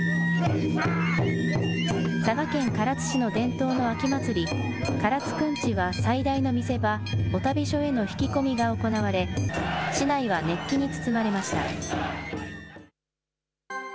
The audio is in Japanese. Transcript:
佐賀県唐津市の伝統の秋祭り、唐津くんちは最大の見せ場、御旅所への曳き込みが行われ、市内は熱気に包まれました。